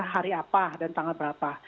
hari apa dan tanggal berapa